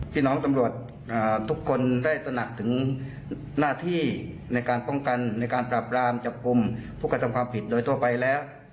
พี่น้องตำรวจทุกคนได้ตระหนักถึงหน้าที่ในการป้องกันในการปราบรามจับกลุ่มผู้กระทำความผิดโดยทั่วไปแล้ว